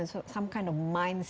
atau pendidikan atau sebuah